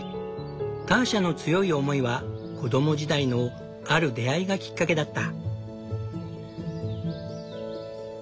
ターシャの強い思いは子供時代のある出会いがきっかけだった。